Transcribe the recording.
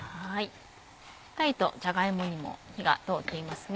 しっかりとじゃが芋にも火が通っていますね。